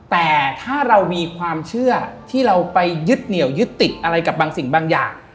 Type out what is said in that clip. แต่ถ้าเรามีความเชื่อที่เราไปยึดเหนียวยึดติดอะไรกับบางสิ่งบางอย่าง